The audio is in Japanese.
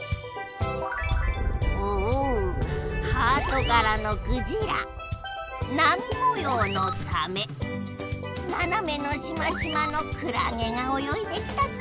おおハートがらのクジラなみもようのサメななめのシマシマのクラゲがおよいできたぞ。